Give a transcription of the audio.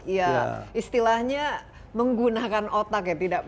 ya istilahnya menggunakan otak ya